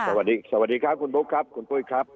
สวัสดีสวัสดีค่ะคุณปุ๊กครับคุณปุ๊กครับ